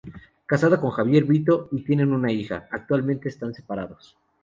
Casada con Javier Brito y tienen una hija; actualmente están separados.